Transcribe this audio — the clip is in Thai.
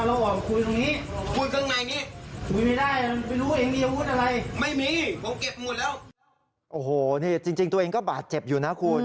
โอ้โหนี่จริงตัวเองก็บาดเจ็บอยู่นะคุณ